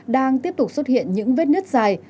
đang tiếp tục xuất hiện những vết nứt dài